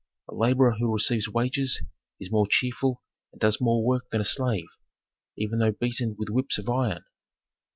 A laborer who receives wages is more cheerful and does more work than a slave, even though beaten with whips of iron.